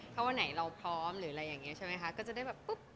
ถ้าวันไหนเราพร้อมก็จะได้แบบปุ๊บ